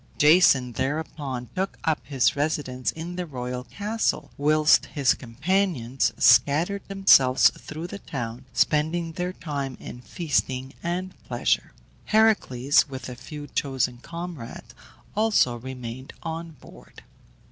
Jason thereupon took up his residence in the royal castle, whilst his companions scattered themselves through the town, spending their time in feasting and pleasure. Heracles, with a few chosen comrades, alone remained on board.